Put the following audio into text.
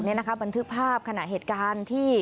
นี่นะคะบันทึกภาพขณะเหตุการณ์ที่